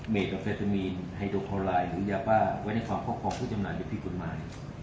เมดอเฟทามีนไฮโดคอลายหรือยาบ้าไว้ในความควบความผู้จำหน่ายโดยภีรกฎหมาย